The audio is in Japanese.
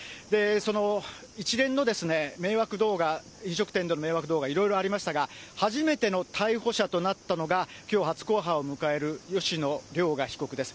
その一連の迷惑動画、飲食店での迷惑動画、いろいろありましたが、初めての逮捕者となったのが、きょう初公判を迎える吉野凌雅被告です。